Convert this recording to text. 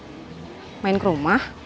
nanti malem teh main ke rumah cici